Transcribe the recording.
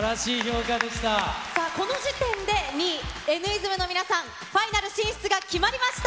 この時点で２位、Ｎ’ｉｓｍの皆さん、ファイナル進出が決まりました。